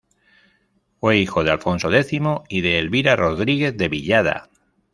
Fue hijo de Alfonso X y de Elvira Rodríguez de Villada.